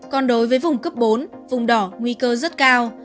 còn đối với vùng cấp bốn vùng đỏ nguy cơ rất cao